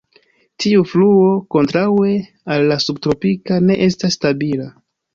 Tiu fluo, kontraŭe al la subtropika, ne estas stabila.